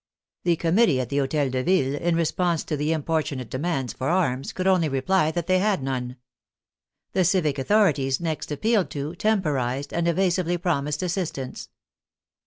The Committee at the Hotel de Ville, in response to the importunate demands for arms, could only reply that they had none. The civic authori ties, next appealed to, temporized and evasively promised assistance.